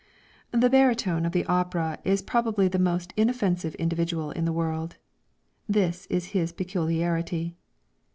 The Barytone of the opera is probably the most inoffensive individual in the world. This is his peculiarity.